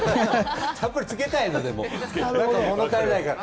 たっぷりつけたいの、物足りないから。